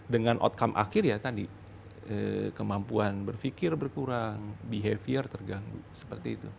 dengan outcome akhir ya tadi kemampuan berpikir berkurang behavior terganggu seperti itu